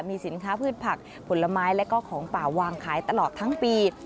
มีสินค้าพืชผักผลไม้และก็ของป่าวางขายตลอดทั้งปี